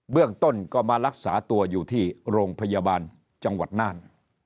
เรื่องต้นก็มารักษาตัวอยู่ที่โรงพยาบาลจังหวัดน่าน